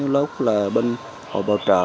lúc là bên hộ bộ trợ